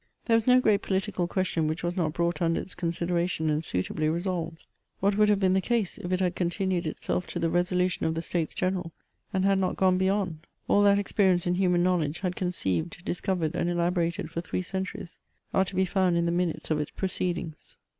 There was no great political question which was not brought under its consideration, and suitably resolved. What would have been the case, if it had con fined itself to the resolution of the States Greneral, and had not gone beyond ! All that experience and human knowledge had conceived, discovered, and elaborated for three centuries, are to be found in the minutes of its proceedings.